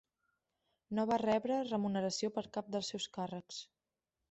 No va rebre remuneració per cap del seus càrrecs.